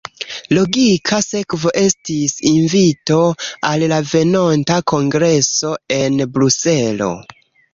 Logika sekvo estis invito al la venonta kongreso en Bruselo.